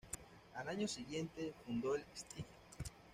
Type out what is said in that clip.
Al año siguiente fundó la St.